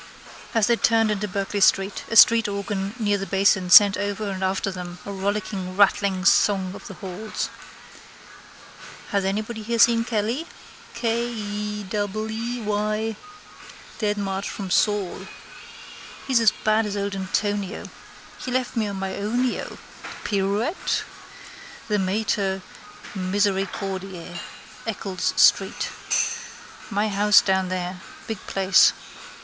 As they turned into Berkeley street a streetorgan near the Basin sent over and after them a rollicking rattling song of the halls. Has anybody here seen Kelly? Kay ee double ell wy. Dead March from Saul. He's as bad as old Antonio. He left me on my ownio. Pirouette! The Mater Misericordiae. Eccles street. My house down there. Big place.